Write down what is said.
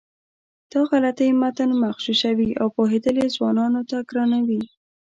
دا غلطۍ متن مغشوشوي او پوهېدل یې ځوانانو ته ګرانوي.